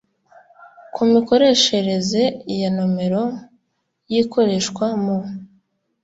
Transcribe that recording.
ku mikoreshereze ya nomero zikoreshwa mu